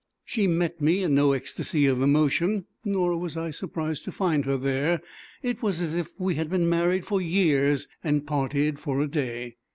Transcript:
She met me in no ecstasy of emotion, nor was I surprised to find her there; it was as if we had been married for years and parted for a day.